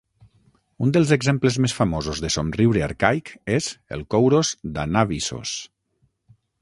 Un dels exemples més famosos de somriure arcaic és el Koúros d'Anàvissos.